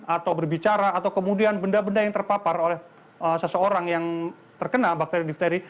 atau berbicara atau kemudian benda benda yang terpapar oleh seseorang yang terkena bakteri difteri